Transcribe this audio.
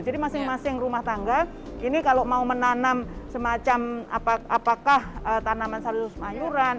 jadi masing masing rumah tangga ini kalau mau menanam semacam apakah tanaman sayur sayuran